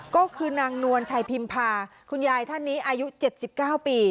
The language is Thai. ก็คือนางนวลชัยพิมพาคุณยายท่านนี้อายุ๗๙ปี